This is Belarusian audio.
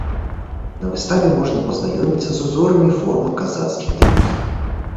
На выставе можна пазнаёміцца з узорамі формы казацкіх дывізій.